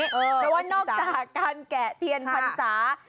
เพราะว่านอกจากการแกะเทียนพันธุ์ศาสตร์